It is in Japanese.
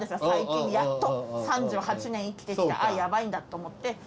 最近やっと３８年生きてきてあっヤバいんだと思って。